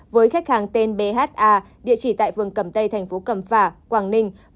với khách hàng tên bha địa chỉ tại phường cầm tây thành phố cầm phả quảng ninh